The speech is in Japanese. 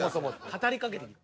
語りかけてくる。